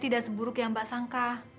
tidak ada yang lebih buruk yang mbak sangka